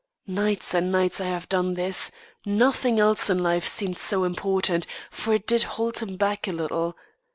Nights and nights I have done this. Nothing else in life seemed so important, for it did hold him back a little.